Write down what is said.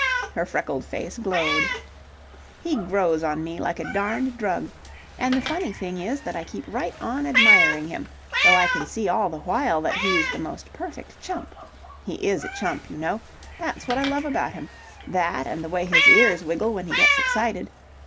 Her freckled face glowed. "He grows on me like a darned drug. And the funny thing is that I keep right on admiring him though I can see all the while that he's the most perfect chump. He is a chump, you know. That's what I love about him. That and the way his ears wiggle when he gets excited.